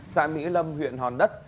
xã mỹ lâm huyện hòn đất